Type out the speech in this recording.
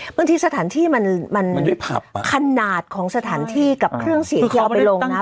บางทีสถานที่มันขนาดของสถานที่กับเครื่องสีเขียวไปลงนะ